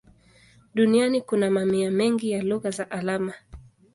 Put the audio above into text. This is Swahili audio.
Duniani kuna mamia mengi ya lugha za alama.